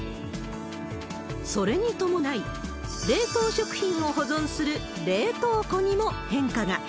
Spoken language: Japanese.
それに伴い、冷凍食品を保存する冷凍庫にも変化が。